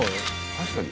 確かに。